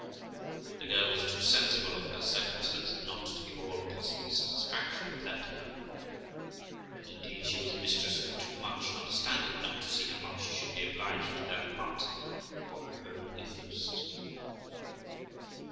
The girl was too sensible of her circumstances not to give all possible satisfaction of that kind, and indeed she was mistress of toe much under standing not to see how much she should be obliged to that part for her own interest.